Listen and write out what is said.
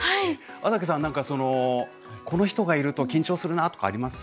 安宅さん何かこの人がいると緊張するなあとかあります？